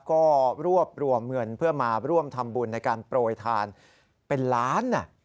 ก็รวบรวมเงินเพื่อมาร่วมทำบุญในการโปรยทานเป็นล้าน